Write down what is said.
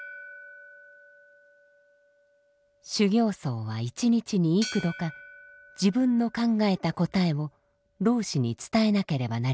修行僧は一日に幾度か自分の考えた答えを老師に伝えなければなりません。